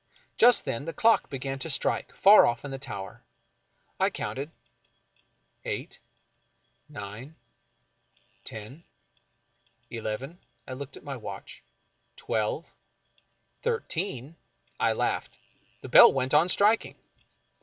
Just then the clock began to strike far off in the tower. I counted — eight — nine — ten — eleven — I looked at my watch — twelve — thirteen — I laughed. The bell went on striking.